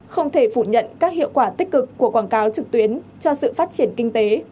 không thể phủ nhận các hiệu quả tích cực của quảng cáo trực tuyến cho sự phát triển kinh tế